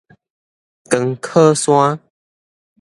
光洘山